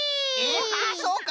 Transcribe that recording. あっそうか！